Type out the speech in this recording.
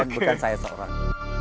bukan saya seorang